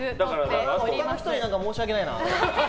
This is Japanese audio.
他の人に申し訳ないな。